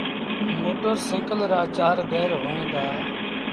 موٽر سآئيٚڪل رآ چآر گير هوئين دآ۔